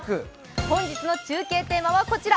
本日の中継テーマはこちら。